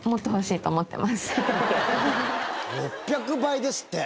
６００倍ですって。